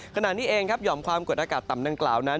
ขณะนี้เองครับหย่อมความกดอากาศต่ำดังกล่าวนั้น